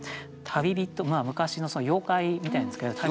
昔の妖怪みたいなんですけどうわ